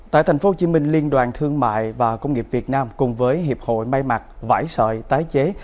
tại tp hcm liên đoàn thương mại và công nghiệp việt nam cùng với hiệp hội may mặt vải sợi tái chế